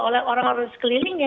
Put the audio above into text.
oleh orang orang sekelilingnya